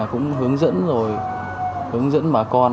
cũng hướng dẫn rồi hướng dẫn bà con